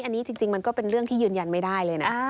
อันนี้จริงมันก็เป็นเรื่องที่ยืนยันไม่ได้เลยนะ